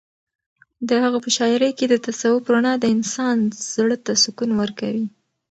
د هغه په شاعرۍ کې د تصوف رڼا د انسان زړه ته سکون ورکوي.